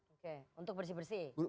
oke untuk bersih bersih